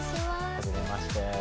はじめまして。